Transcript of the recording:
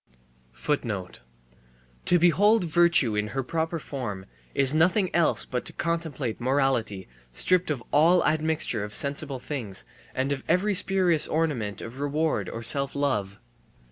To behold virtue in her proper form is nothing else but to contemplate morality stripped of all admixture of sensible things and of every spurious ornament of reward or self love.